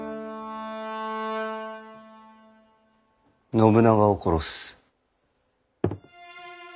信長を殺す。